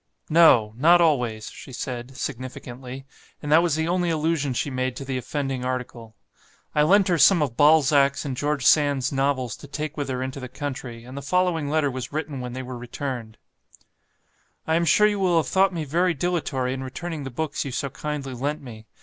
'No! not always,' she said, significantly; and that was the only allusion she made to the offending article. I lent her some of Balzac's and George Sand's novels to take with her into the country; and the following letter was written when they were returned:" "I am sure you will have thought me very dilatory in returning the books you so kindly lent me.